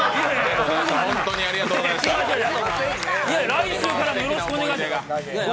来週からもよろしくお願いします。